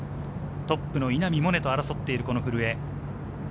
トップの稲見萌寧と争っている古江。